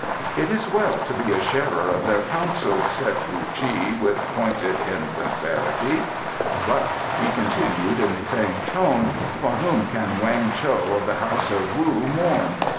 "It is well to be a sharer of their councils," said Wu Chi, with pointed insincerity. "But," he continued, in the same tone, "for whom can Weng Cho of the House of Wu mourn?